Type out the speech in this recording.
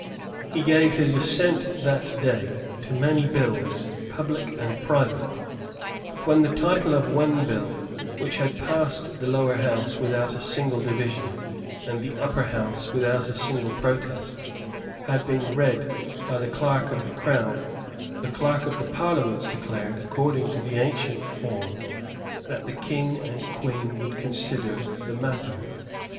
He gave his assent on that day to many bills, public and private; but when the title of one bill, which had passed the Lower House without a single division and the Upper House without a single protest, had been read by the Clerk of the Crown, the Clerk of the Parliaments declared, according to the ancient form, that the King and the Queen would consider of the matter.